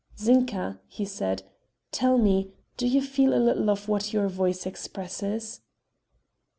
"Zinka," he said, "tell me, do you feel a little of what your voice expresses?"